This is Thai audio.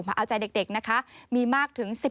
เอาใจเด็กนะคะมีมากถึง๑๐